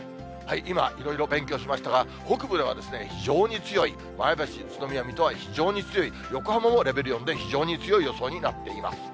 今、いろいろ勉強しましたが、北部では非常に強い、前橋、宇都宮、水戸は非常に強い、横浜もレベル４で非常に強い予想になっています。